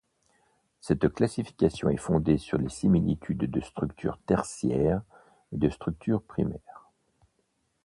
Cette classification est fondée sur les similitudes de structure tertiaire et de structure primaire.